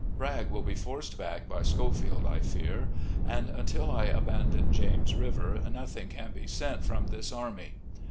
Bragg will be forced back by Schofield, I fear, and, until I abandon James River, noth ing can be sent from this army.